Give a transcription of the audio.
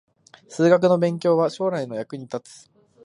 数学の勉強は将来の役に立つ